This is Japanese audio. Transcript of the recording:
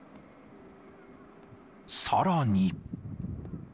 さらに。